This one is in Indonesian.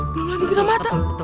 belum lagi kena mata